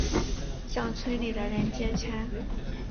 向村里的人借钱